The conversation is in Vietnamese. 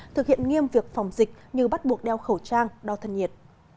thực hiện nghiêm việc phòng dịch như bắt buộc đeo khẩu trang đo thân nhiệt